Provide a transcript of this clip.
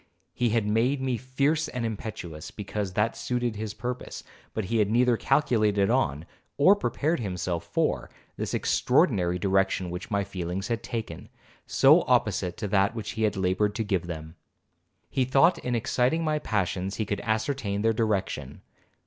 He had made me fierce and impetuous, because that suited his purpose, but he had neither calculated on, or prepared himself for, this extraordinary direction which my feelings had taken, so opposite to that which he had laboured to give them. He thought, in exciting my passions, he could ascertain their direction.